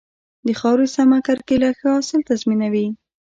د خاورې سمه کرکيله ښه حاصل تضمینوي.